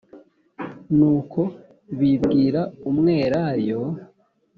Nuko bibwira umwelayo